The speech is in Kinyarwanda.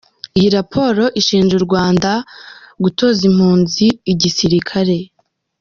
Iyi raporo ishinja u Rwanda gutoza impunzi igisirikare.